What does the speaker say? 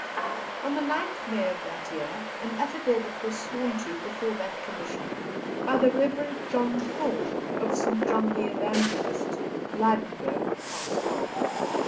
On the 9th May of that year, an affidavit was sworn to before that Commission by the Rev. John Thorne, of St. John the Evangelist, Lydenburg, Transvaal.